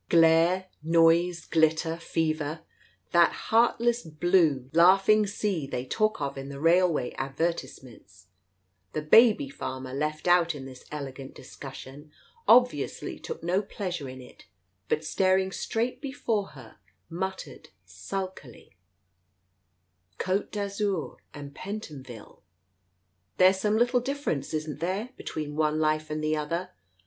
Glare, noise, glitter, fever — that heartless, blue, laughing sea they talk of in the railway advertise ments " The baby farmer, left out in this elegant discussion, obviously took no pleasure in it, but staring straight before her, muttered sulkily — "Cote d'Azur and Pentonville 1 There's some little difference, isn't there, between one life and the other?